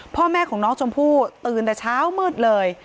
พ่อแม่ของน้องชมพู่ตื่นแต่เช้ามืดเลย